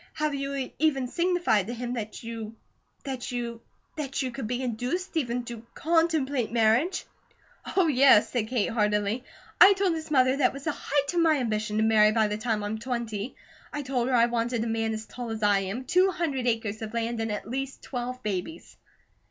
Have you even signified to him that you that you that you could be induced, even to CONTEMPLATE marriage?" "Oh, yes," said Kate, heartily. "I told his mother that it was the height of my ambition to marry by the time I'm twenty. I told her I wanted a man as tall as I am, two hundred acres of land, and at least twelve babies."